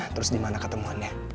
terus dimana ketemuannya